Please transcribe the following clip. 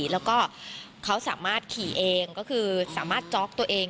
แล้วก็เขาสามารถขี่เองก็คือสามารถจ๊อกตัวเอง